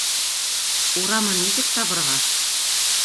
...Урамын нисек табырға?